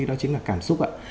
đó chính là cảm xúc ạ